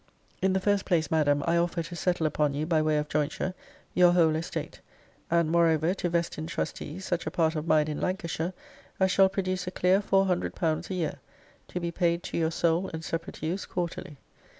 'In the first place, Madam, I offer to settle upon you, by way of jointure, your whole estate: and moreover to vest in trustees such a part of mine in Lancashire, as shall produce a clear four hundred pounds a year, to be paid to your sole and separate use quarterly.